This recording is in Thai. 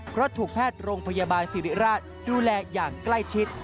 เพราะถูกแพทย์โรงพยาบาลสิริราชดูแลอย่างใกล้ชิด